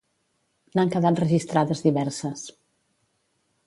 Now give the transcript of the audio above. N'han quedat registrades diverses.